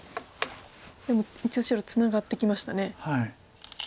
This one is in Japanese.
でも一応白ツナがってきましたね。